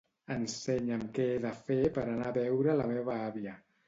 Ensenya'm què he de fer per anar a veure la meva àvia.